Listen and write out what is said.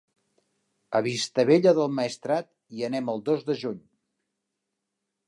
A Vistabella del Maestrat hi anem el dos de juny.